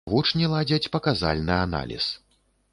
Вучні ладзяць паказальны аналіз.